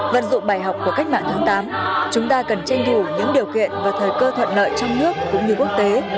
vận dụng bài học của cách mạng tháng tám chúng ta cần tranh thủ những điều kiện và thời cơ thuận lợi trong nước cũng như quốc tế